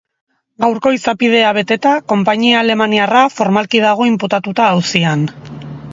Gaurko izapidea beteta, konpainia alemaniarra formalki dago inputatuta auzian.